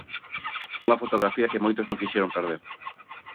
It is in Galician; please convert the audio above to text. Unha fotografía que moitos non quixeron perder.